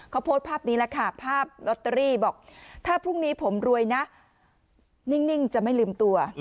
เขาโพสต์ภาพนี้แหละค่ะภาพลอตเตอรี่บอกถ้าพรุ่งนี้ผมรวยนะนิ่งจะไม่ลืมตัว